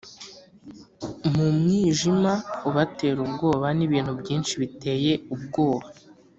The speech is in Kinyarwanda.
mu mwijima ubatera ubwoba nibintu byinshi biteye ubwoba.